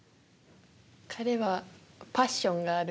「パッションがある」